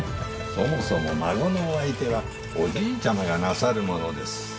そもそも孫のお相手はおじいちゃまがなさるものです。